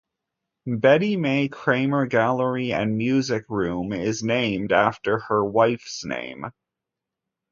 Betty Mae Krammer Gallery and Music Room is named after her wife's name.